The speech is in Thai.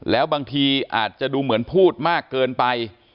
แล้วบางทีอาจจะดูเหมือนพูดมากเกินไป